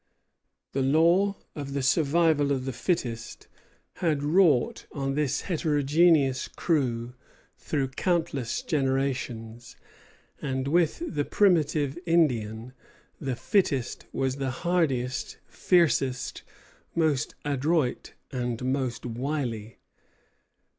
The law of the survival of the fittest had wrought on this heterogeneous crew through countless generations; and with the primitive Indian, the fittest was the hardiest, fiercest, most adroit, and most wily.